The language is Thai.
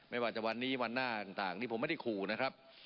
ไม่ว่าจะวันนี้วันหน้าต่างที่ผมไม่ได้ขู่นะครับ